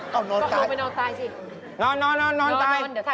ขอบคุณต้องทำอย่างไร